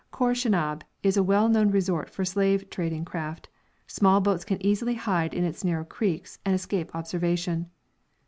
Khor Shinab is a well known resort for slave trading craft; small boats can easily hide in its narrow creeks and escape observation.